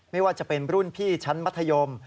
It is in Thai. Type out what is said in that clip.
ไม่ว่าจะเป็นรุ่นพี่ชั้นมัธยม